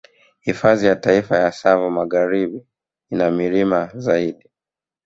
Hifadhi ya Taifa ya Tsavo Magharibi ina milima zaidi